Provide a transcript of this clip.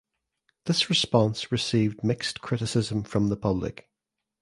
This response received mixed criticism from the public.